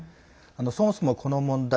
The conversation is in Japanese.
そもそも、この問題